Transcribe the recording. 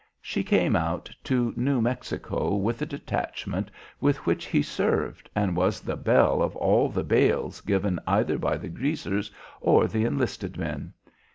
She came out to New Mexico with the detachment with which he served, and was the belle of all the 'bailes' given either by the 'greasers' or the enlisted men.